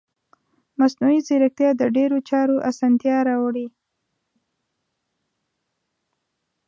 مصنوعي ځیرکتیا د ډیرو چارو اسانتیا راوړي.